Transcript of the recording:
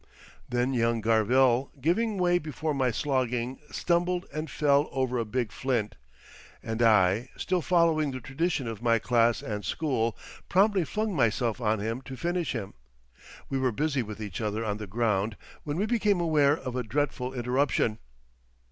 Then young Garvell, giving way before my slogging, stumbled and fell over a big flint, and I, still following the tradition of my class and school, promptly flung myself on him to finish him. We were busy with each other on the ground when we became aware of a dreadful interruption.